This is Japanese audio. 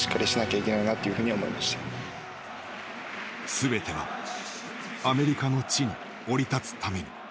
全てはアメリカの地に降り立つために。